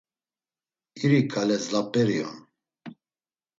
“İri ǩale zlap̌eri on.”